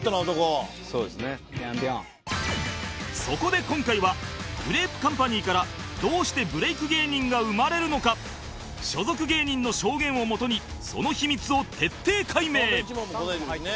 そこで今回はグレープカンパニーからどうしてブレイク芸人が生まれるのか所属芸人の証言をもとにその秘密を徹底解明